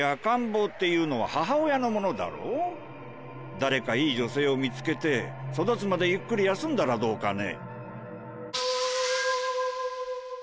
誰かいい女性を見つけて育つまでゆっくり休んだらどうかね。